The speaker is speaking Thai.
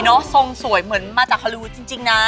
หูรอดดีเนอะส่งสวยเหมือนมาจากฮอลลี่วูดจริงนะ